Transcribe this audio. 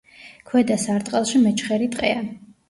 ქვედა სარტყელში მეჩხერი ტყეა.